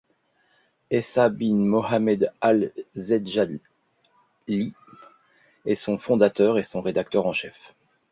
Essa bin Mohammed Al Zedjali est son fondateur et son rédacteur en chef.